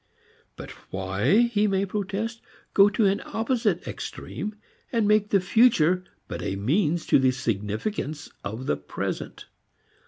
But why, he may protest, go to an opposite extreme and make the future but a means to the significance of the present?